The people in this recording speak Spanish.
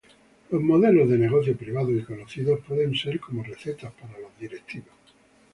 Los modelos de negocio privados, y conocidos, pueden ser como "recetas" para los directivos.